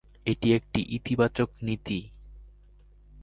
এটি একটি ইতিবাচক নীতি।